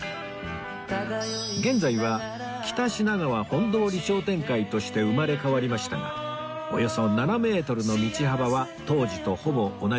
現在は北品川本通り商店会として生まれ変わりましたがおよそ７メートルの道幅は当時とほぼ同じ